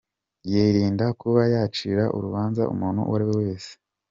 Yirinda kuba yacira urubanza umuntu uwo ari we wese.